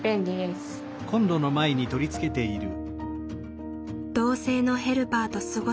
同性のヘルパーと過ごす今。